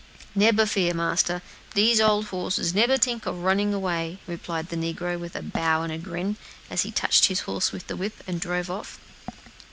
"Nebber fear, marster; dese ole horses nebber tink ob running away," replied the negro, with a bow and a grin, as he touched his horses with the whip, and drove off.